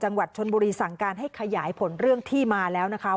จังหวัดชนบุรีสั่งการให้ขยายผลเรื่องที่มาแล้วนะคะ